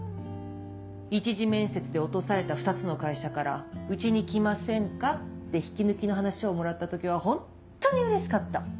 一次面接で落とされた２つの会社から「うちに来ませんか？」って引き抜きの話をもらった時はホントにうれしかった。